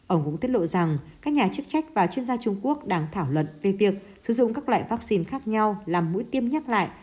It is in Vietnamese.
ông cũng tiết lộ rằng các nhà chức trách và chuyên gia trung quốc đang thảo luận về việc sử dụng các loại vaccine khác nhau làm mũi tiêm nhắc lại